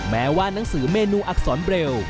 แม้ว่านังสือเมนูอักษรเบล